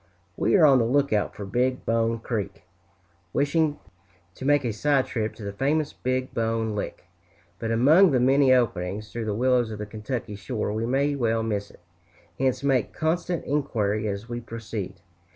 We are on the lookout for Big Bone Creek, wishing to make a side trip to the famous Big Bone Lick, but among the many openings through the willows of the Kentucky shore we may well miss it, hence make constant inquiry as we proceed.